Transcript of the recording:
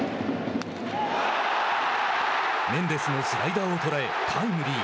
メンデスのスライダーを捉えタイムリー。